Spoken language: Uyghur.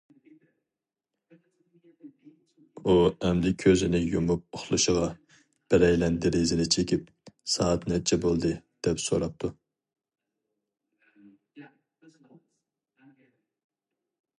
ئۇ ئەمدى كۆزىنى يۇمۇپ ئۇخلىشىغا، بىرەيلەن دېرىزىنى چېكىپ:‹‹ سائەت نەچچە بولدى؟›› دەپ سوراپتۇ.